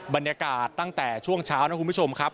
บรรยากาศตั้งแต่ช่วงเช้านะคุณผู้ชมครับ